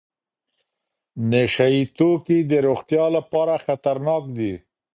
نشه یې توکي د روغتیا لپاره خطرناک دي.